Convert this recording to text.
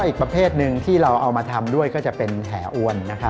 อีกประเภทหนึ่งที่เราเอามาทำด้วยก็จะเป็นแห่อวน